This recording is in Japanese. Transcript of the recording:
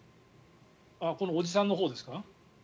このおじさんのほうですか？